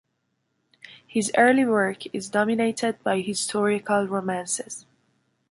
His early work is dominated by historical romances.